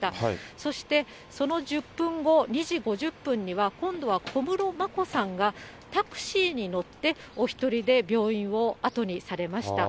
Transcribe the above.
そしてその１０分後、２時５０分には、今度は小室眞子さんがタクシーに乗ってお１人で病院を後にされました。